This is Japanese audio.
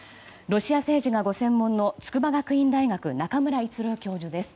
ロシア政治がご専門の筑波学院大学の中村逸郎教授です。